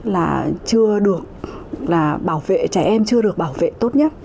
là bảo vệ trẻ em chưa được bảo vệ tốt nhất